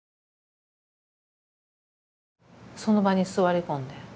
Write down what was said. その場に座り込んで。